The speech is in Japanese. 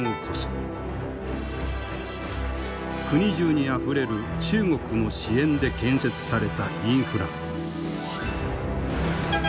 国中にあふれる中国の支援で建設されたインフラ。